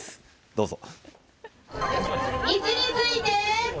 どうぞ。